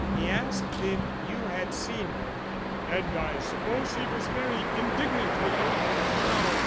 He asked if you had seen her." "And I suppose he was very indignant with her?" "No.